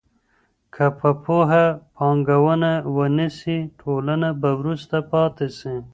که په پوهنه پانګونه ونه سي ټولنه به وروسته پاته سي.